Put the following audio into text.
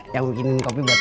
yang bikinin kopi buat gue